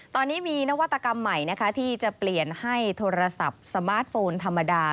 ตอนนี้มีนวัตกรรมใหม่ที่จะเปลี่ยนให้โทรศัพท์สมาร์ทโฟนธรรมดา